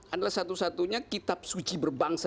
adalah satu satunya kitab suci berbangsa